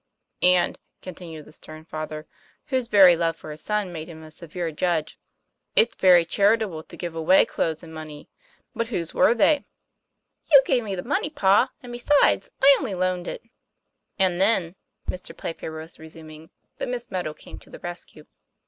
" 'And," continued the stern father, whose very love for his son made him a severe judge, " it's very charitable to give away clothes and money, but whose were they ?" 1 70 TOM PLAY FAIR. "You gave me the money, pa; and, besides, I only loaned it." "And then," Mr. Playfair was resuming ) but Miss Meadow came to the rescue.